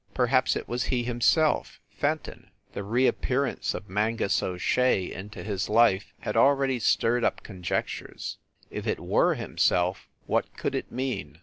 Per haps it was he himself, Fenton! The reappearance of Mangus O Shea into his life had already stirred up conjectures. If it were himself what could it mean?